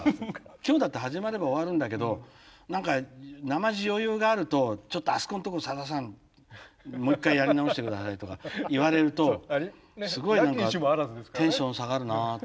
今日だって始まれば終わるんだけど何かなまじ余裕があると「ちょっとあそこのとこさださんもう一回やり直して下さい」とか言われるとすごい何かテンション下がるなあと思って。